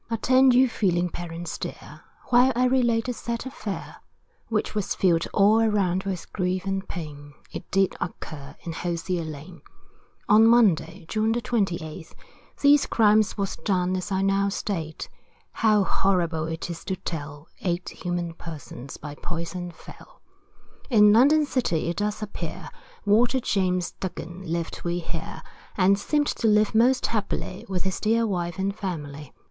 Attend you feeling parents dear, While I relate a sad affair; Which has fill'd all around with grief and pain It did occur in Hosier Lane. On Monday, June the 28th, These crimes was done as I now state, How horrible it is to tell, Eight human persons by poison fell. In London city it does appear, Walter James Duggin lived we hear, And seemed to live most happily, With his dear wife and family.